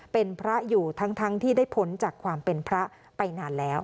เป็นพระอยู่ทั้งที่ได้พ้นจากความเป็นพระไปนานแล้ว